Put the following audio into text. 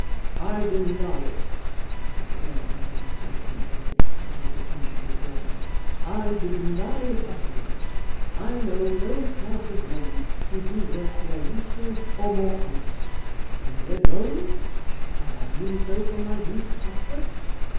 "I deny it," said the Earl, becoming quite energetic as he defended his order. "I deny it utterly. I know no class of men who do work more useful or more honest. Am I a drone? Have I been so from my youth upwards?